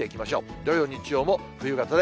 土曜、日曜も冬型で